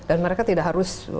dan mereka tidak harus enam jam